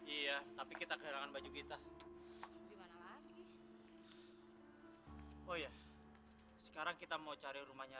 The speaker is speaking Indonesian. iya tapi kita kehilangan baju kita gimana lagi oh ya sekarang kita mau cari rumahnya